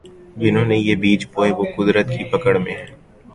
جنہوں نے یہ بیج بوئے وہ قدرت کی پکڑ میں ہیں۔